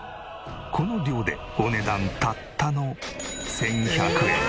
この量でお値段たったの１１００円。